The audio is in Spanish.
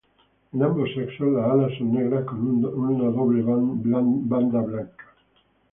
En ambos sexos, las alas son negras con una doble banda blanca.